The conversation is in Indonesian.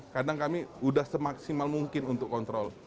kadang kami sudah semaksimal mungkin untuk kontrol